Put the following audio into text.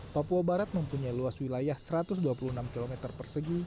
papua barat mempunyai luas wilayah satu ratus dua puluh enam km persegi